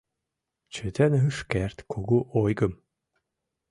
Чытен ыш керт кугу ойгым